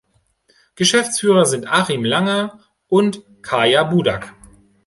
Geschäftsführer sind Achim Langer und Kaya Budak.